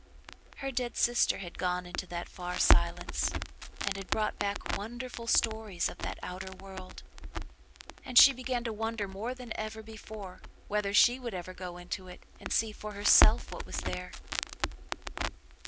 Her dead sister had gone into that far silence and had brought back wonderful stories of that outer world: and she began to wonder more than ever before whether she would ever go into it and see for herself what was there.